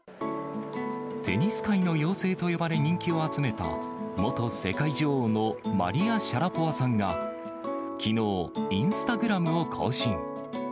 テニス界の妖精と呼ばれ人気を集めた、元世界女王のマリア・シャラポワさんが、きのう、インスタグラムを更新。